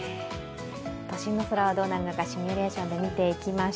都心の空はどうなるのかシミュレーションで見ていきます。